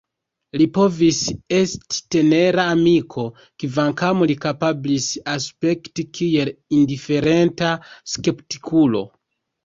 Li povis esti tenera amiko, kvankam li kapablis aspekti kiel indiferenta skeptikulo.